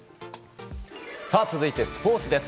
続いて、スポーツです。